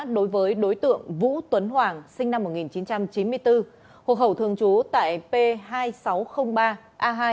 đối với đối tượng vũ tuấn hoàng sinh năm một nghìn chín trăm chín mươi bốn hộ khẩu thường trú tại p hai nghìn sáu trăm linh ba a hai